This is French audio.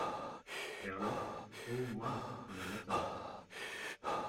Herlaut. — Oh ! moi, en amateur !